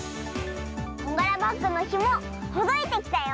こんがらバッグのひもほどいてきたよ。